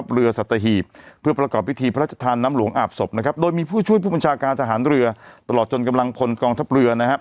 เรือสัตหีบเพื่อประกอบพิธีพระราชทานน้ำหลวงอาบศพนะครับโดยมีผู้ช่วยผู้บัญชาการทหารเรือตลอดจนกำลังพลกองทัพเรือนะครับ